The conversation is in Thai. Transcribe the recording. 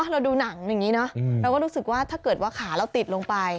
เราดูหนังอย่างนี้เนอะเราก็รู้สึกว่าถ้าเกิดว่าขาเราติดลงไป